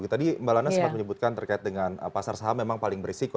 tadi mbak lana sempat menyebutkan terkait dengan pasar saham memang paling berisiko